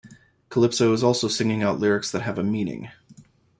Calypso is also singing out lyrics that have a meaning.